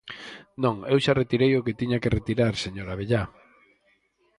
Non, eu xa retirei o que tiña que retirar, señor Abellá.